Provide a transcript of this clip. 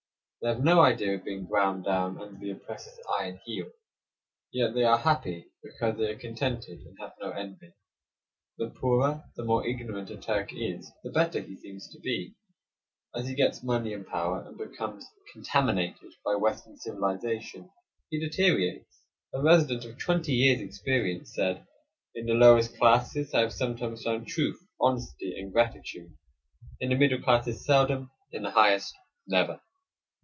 They have no idea of being ground down under the oppressor's iron heel. Yet they are happy because they are contented, and have no envy. The poorer, the more ignorant, a Turk is, the better he seems to be. As he gets money and power, and becomes "contaminated" by western civilization, he deteriorates. A resident of twenty years' experience said: "In the lowest classes I have sometimes found truth, honesty, and gratitude; in the middle classes, seldom; in the highest, never."